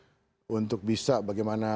untuk bisa bagaimana untuk bisa berbicara dengan dpp